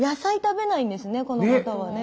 この方はね。